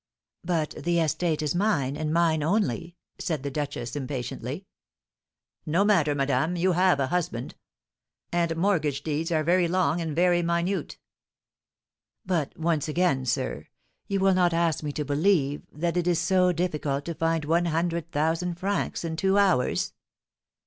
"But the estate is mine, and mine only," said the duchess, impatiently. "No matter, madame, you have a husband; and mortgage deeds are very long and very minute." "But, once again, sir, you will not ask me to believe that it is so difficult to find one hundred thousand francs in two hours?"